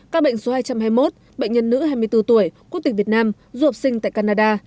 các bệnh số hai trăm hai mươi một bệnh nhân nữ hai mươi bốn tuổi quốc tịch việt nam du học sinh tại canada